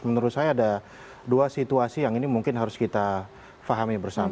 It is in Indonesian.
menurut saya ada dua situasi yang ini mungkin harus kita fahami bersama